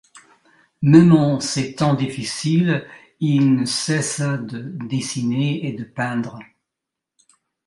Même en ces temps difficiles, il ne cessa de dessiner et de peindre.